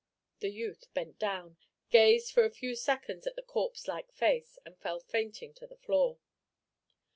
The youth bent down, gazed for a few seconds at the corpse like face, and fell fainting to the floor.